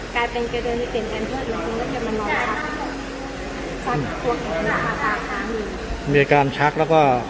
เขาได้รับตัวแม่สามารถมาหรือว่า